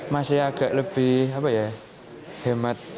masih agak lebih hemat